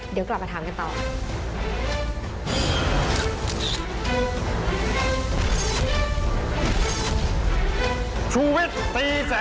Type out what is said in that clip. เดี๋ยวกลับมาถามกันต่อ